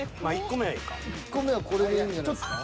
１個目はこれでいいんじゃないですか。